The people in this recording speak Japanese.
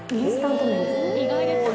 意外ですね。